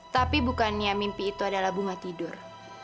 tapi bukannya mimpi itu adalah bunga tidur